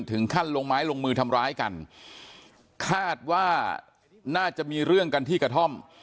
ถึงขั้นลงไม้ลงมือทำร้ายกันคาดว่าน่าจะมีเรื่องกันที่กระท่อม